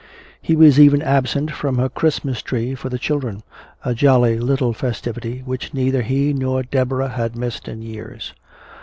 He was even absent from her Christmas tree for the children, a jolly little festivity which neither he nor Deborah had missed in years.